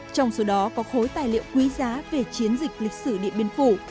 trong số đó có khối tài liệu quý giá về chiến dịch lịch sử điện biên phủ